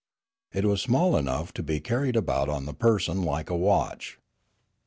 It was small enough to be carried about on the person like a watch.